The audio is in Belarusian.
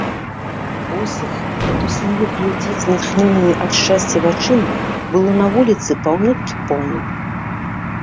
Босых мітуслівых людзей з натхнёнымі ад шчасця вачыма было на вуліцы паўнюткі поўна.